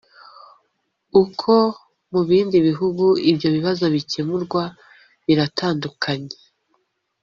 uko mu bindi bihugu ibyo bibazo bikemurwa biratandukanye.